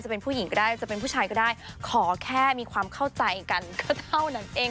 จะเป็นผู้หญิงก็ได้จะเป็นผู้ชายก็ได้ขอแค่มีความเข้าใจกันก็เท่านั้นเอง